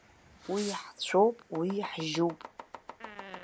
Уи ҳцәоуп, уи ҳжьыуп!